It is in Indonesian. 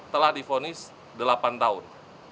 telah difonis delapan tahun